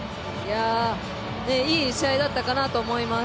いい試合だったかなと思います。